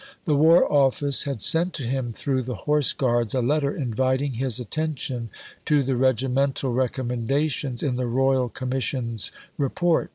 The War Office had sent to him, through the Horse Guards, a letter inviting his attention to the regimental recommendations in the Royal Commission's Report.